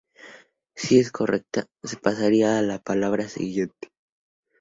Si es correcta, se pasará a la palabra siguiente.